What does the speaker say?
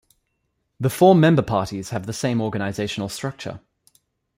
The four member parties have the same organizational structure.